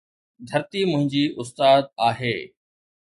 ڌرتي منهنجي استاد آهي